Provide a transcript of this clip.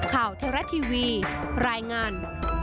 ข่าวเทวรัฐทีวีรายงาน